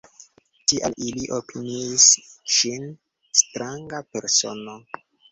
Tial ili opiniis ŝin stranga persono.